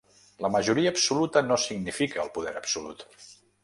La majoria absoluta no significa el poder absolut.